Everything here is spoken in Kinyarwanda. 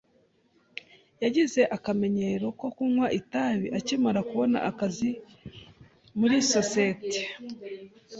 Yagize akamenyero ko kunywa itabi akimara kubona akazi muri sosiyete.